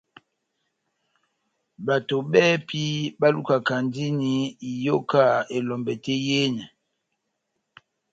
Bato bɛ́hɛ́pi balukakandini iyoka elombɛ tɛ́h yehenɛ.